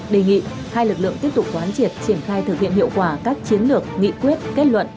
đề nghị hai lực lượng tiếp tục quán triệt triển khai thực hiện hiệu quả các chiến lược nghị quyết kết luận